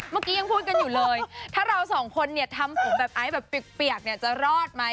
เมื่อกี้ยังพูดกันอยู่เลยถ้าเราสองคนเนี่ยทำผมแบบไอซ์แบบเปียกเนี่ยจะรอดไหม